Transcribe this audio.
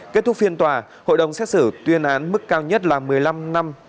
kết thúc phiên tòa hội đồng xét xử tuyên án mức cao nhất là một mươi năm năm